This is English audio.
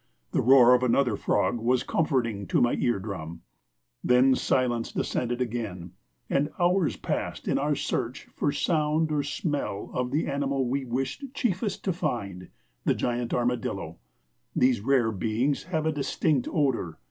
The roar of another frog was comforting to my ear drum. Then silence descended again, and hours passed in our search for sound or smell of the animal we wished chiefest to find the giant armadillo. These rare beings have a distinct odor.